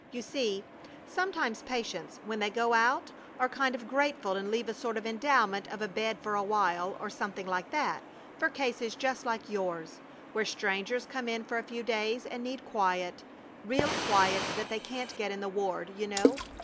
"You see, sometimes patients, when they go out, are kind of grateful and leave a sort of endowment of a bed for a while, or something like that, for cases just like yours, where strangers come in for a few days and need quiet real quiet that they can't get in the ward, you know.